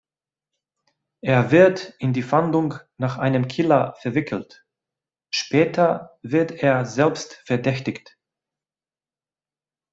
Er wird in die Fahndung nach einem Killer verwickelt, später wird er selbst verdächtigt.